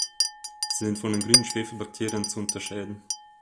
Sie sind von den Grünen Schwefelbakterien zu unterscheiden.